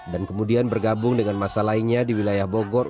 dan kemudian bergabung dengan masa lainnya di wilayah bogor